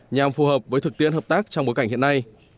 nhằm phù hợp với thực tiễn hợp tác trong bối cảnh hiện nay